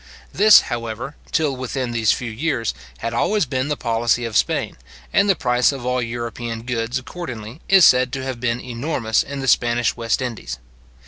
This, however, till within these few years, had always been the policy of Spain; and the price of all European goods, accordingly, is said to have been enormous in the Spanish West Indies.